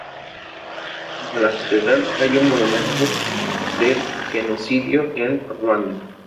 Junto a la catedral hay un monumento del genocidio en Ruanda.